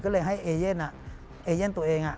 ก็เลยให้เอเย่นตัวเอง